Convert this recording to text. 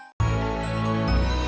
aku ngalih mikir